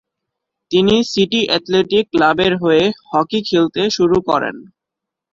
তিনি city athletic ক্লাবের হয়ে হকি খেলতে শুরু করেন।